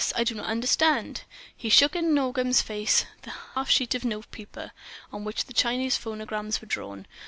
I do not understand!" He shook in Nogam's face the half sheet of notepaper on which the Chinese phonograms were drawn.